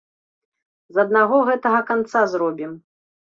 З аднаго гэтага канца зробім.